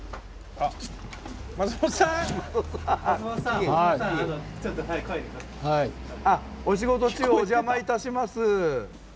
あっお仕事中お邪魔いたします。